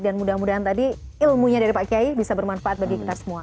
dan mudah mudahan tadi ilmunya dari pak kiai bisa bermanfaat bagi kita semua